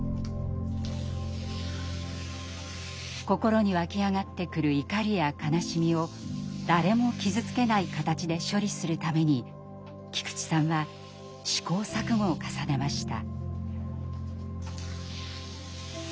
心に湧き上がってくる怒りや悲しみを誰も傷つけない形で処理するために菊池さんは試行錯誤を重ねました。